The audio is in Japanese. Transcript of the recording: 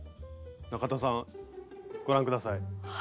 中田さんご覧下さい。